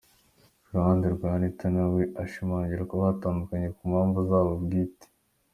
Ku ruhande rwa Anita na we ashimangira ko batandukanye ku mpamvu zabo bwite.